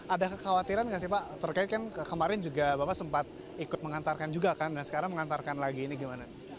ada kekhawatiran nggak sih pak terkait kan kemarin juga bapak sempat ikut mengantarkan juga kan dan sekarang mengantarkan lagi ini gimana